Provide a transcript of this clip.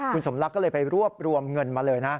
คุณสมรักก็เลยไปรวบรวมเงินมาเลยนะ